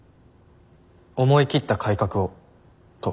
思い切った改革をと。